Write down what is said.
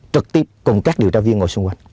trực tiếp cùng các điều tra viên ngồi xung quanh